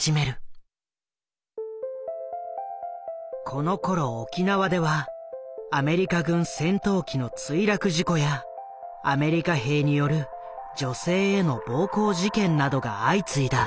このころ沖縄ではアメリカ軍戦闘機の墜落事故やアメリカ兵による女性への暴行事件などが相次いだ。